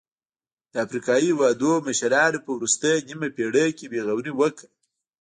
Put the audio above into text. د افریقايي هېوادونو مشرانو په وروستۍ نیمه پېړۍ کې بې غوري وکړه.